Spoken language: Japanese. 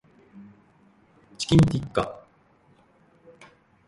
チキンティッカ